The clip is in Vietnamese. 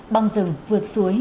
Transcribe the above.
băng rừng vượt suối